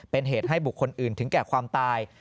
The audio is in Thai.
เป็นเหตุให้บุคคลอื่นถึงแก่ความตาย